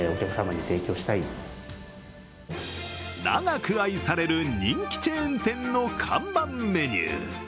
長く愛される人気チェーン店の看板メニュー。